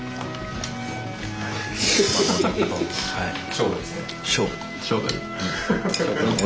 勝負ですね。